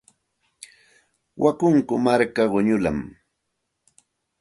Wakunku marka quñullami.